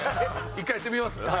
１回やってみます？